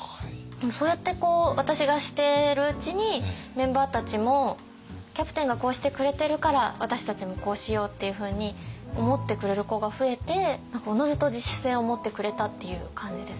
でもそうやって私がしてるうちにメンバーたちもキャプテンがこうしてくれてるから私たちもこうしようっていうふうに思ってくれる子が増えて何かおのずと自主性を持ってくれたっていう感じです。